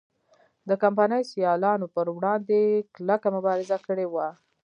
د کمپنۍ سیالانو پر وړاندې کلکه مبارزه کړې وه.